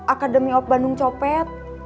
akademi op bandung copet